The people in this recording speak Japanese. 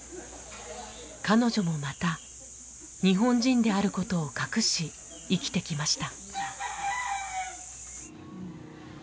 彼女もまた日本人であることを隠し生きてきました。